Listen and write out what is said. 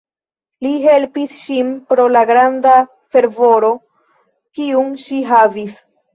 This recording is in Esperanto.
Li helpis ŝin pro la granda fervoro kiun ŝi havis.